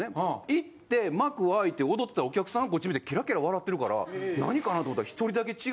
行って幕開いて踊ってたらお客さんがこっち見てケラケラ笑ってるから何かなと思ったら。